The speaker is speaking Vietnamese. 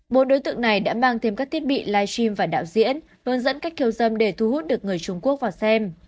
bộ đối tượng này đã mang thêm các thiết bị live stream và đạo diễn hướng dẫn cách khiêu dâm để thu hút được người trung quốc vào xem